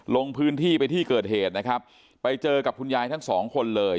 ลงพื้นที่ไปที่เกิดเหตุนะครับไปเจอกับคุณยายทั้งสองคนเลย